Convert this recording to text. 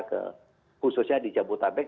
ke khususnya di jabodetabek